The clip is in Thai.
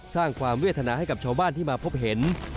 สร้างความเวทนาให้กับชาวบ้านที่มาพบเห็น